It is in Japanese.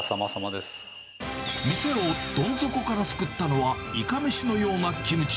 店をどん底から救ったのは、イカ飯のようなキムチ。